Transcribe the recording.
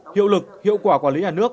hiệu lực hiệu quả quản lý nhà nước